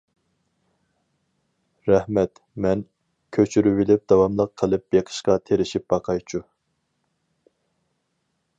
رەھمەت مەن كۆچۈرۈۋېلىپ داۋاملىق قىلىپ بېقىشقا تىرىشىپ باقايچۇ.